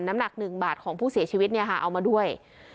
น้ำหนัก๑บาทของผู้เสียชีวิตเนี่ยค่ะเอามาด้วย